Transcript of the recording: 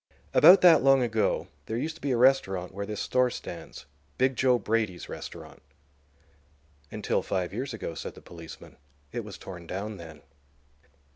About that long ago there used to be a restaurant where this store stands—'Big Joe' Brady's restaurant." "Until five years ago," said the policeman. "It was torn down then."